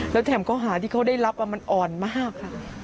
แล้วแถมข้อหาที่เขาได้รับมันอ่อนมากค่ะ